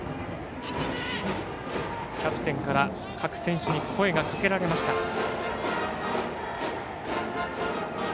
キャプテンから各選手に声がかけられました。